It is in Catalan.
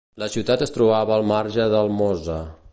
La ciutat es trobava al marge del Mosa.